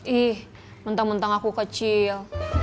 ih mentang mentang aku kecil